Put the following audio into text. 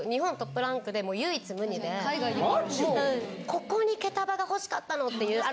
「ここに毛束が欲しかったの」っていう。